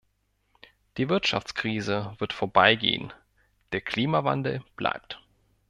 Die Wirtschaftskrise wird vorbeigehen, der Klimawandel bleibt!